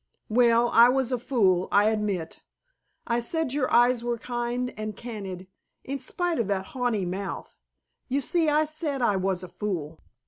"Well, I was a fool, I admit. I said your eyes were kind and candid, in spite of that haughty mouth. You see, I said I was a fool."